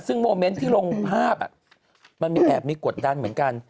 ซึ่งโมเมนต์ที่ลงภาพมันมีแอบมีกดดันเหมือนกัน